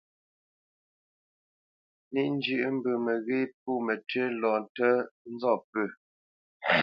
Níʼ njʉ̂ʼ mbə məghé pô mətʉ́ lɔ ntə nzɔ́p pə̂.